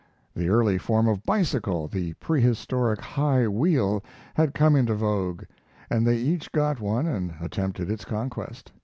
The early form of bicycle, the prehistoric high wheel, had come into vogue, and they each got one and attempted its conquest.